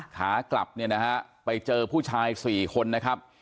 ขากลับไปเจอผู้ชายสี่คนนะครับ